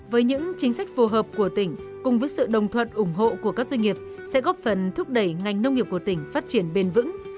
với những chính sách phù hợp của tỉnh cùng với sự đồng thuận ủng hộ của các doanh nghiệp sẽ góp phần thúc đẩy ngành nông nghiệp của tỉnh phát triển bền vững